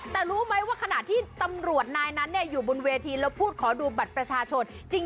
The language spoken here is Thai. แต่รู้ไหมว่าขณะที่ตำรวจนายนั้นอยู่บนเวทีแล้วพูดขอดูบัตรประชาชน